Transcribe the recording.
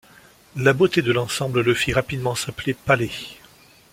La beauté de l'ensemble le fit rapidement s'appeler palais.